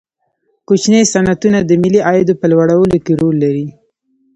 کوچني صنعتونه د ملي عاید په لوړولو کې رول لري.